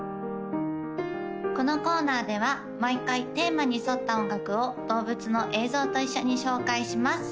このコーナーでは毎回テーマに沿った音楽を動物の映像と一緒に紹介します